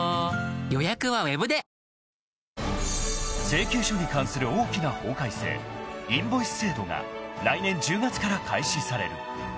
［請求書に関する大きな法改正インボイス制度が来年１０月から開始される］